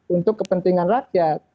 untuk kepentingan rakyat